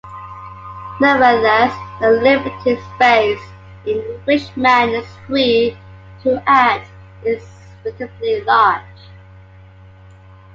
Nevertheless, the limited space in which man is free to act is relatively large.